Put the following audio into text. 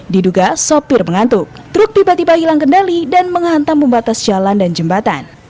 diduga sopir mengantuk truk tiba tiba hilang kendali dan menghantam pembatas jalan dan jembatan